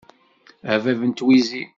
A bab n twizi.